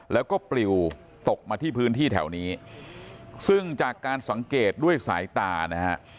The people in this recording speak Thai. แล้วก็ปลิวตกมาที่พื้นที่แถวนี้ซึ่งจากการสังเกตด้วยสายตานะฮะ